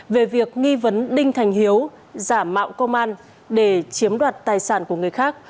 về việc nghi vấn đinh thành hiếu giả mạo công an để chiếm đoạt tài sản của người khác